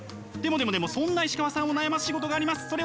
でもでもでもそんな石川さんを悩ます仕事があります。